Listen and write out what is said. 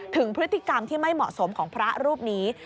ถึงพฤติกรรมที่ไม่เหมาะสมของพระรูปนี้